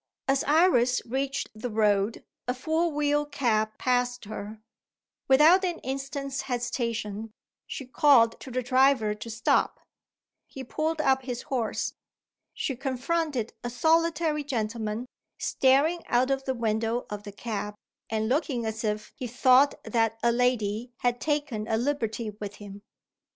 As Iris reached the road, a four wheel cab passed her. Without an instant's hesitation, she called to the driver to stop. He pulled up his horse. She confronted a solitary gentleman, staring out of the window of the cab, and looking as if he thought that a lady had taken a liberty with him.